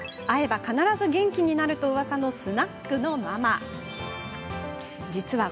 会えば必ず元気になるとうわさのスナックのママです。